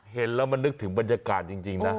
เห็นแล้วมันนึกถึงบรรยากาศจริงนะ